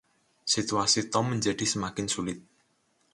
Situasi Tom menjadi semakin sulit.